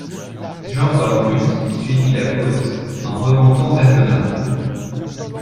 Jean Cornbutte suivit la côte, en remontant vers le nord.